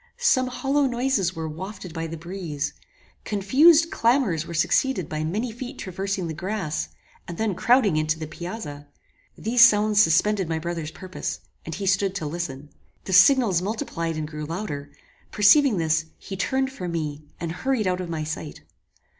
Some hollow noises were wafted by the breeze. Confused clamours were succeeded by many feet traversing the grass, and then crowding intO the piazza. These sounds suspended my brother's purpose, and he stood to listen. The signals multiplied and grew louder; perceiving this, he turned from me, and hurried out of my sight.